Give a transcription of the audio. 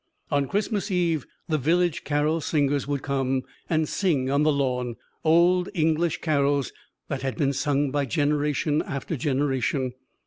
On Christmas Eve the village carol singers would come and sing on the lawn; old English carols, that had been sung by generation after generation.